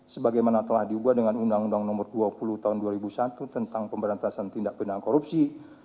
sebagaimana telah diubah dengan undang undang nomor dua puluh tahun dua ribu satu tentang pemberantasan tindak pindahan korupsi